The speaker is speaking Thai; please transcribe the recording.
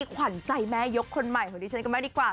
ขวัญใจแม่ยกคนใหม่ของดิฉันกันมากดีกว่า